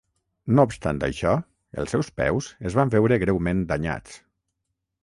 No obstant això, els seus peus es van veure greument danyats.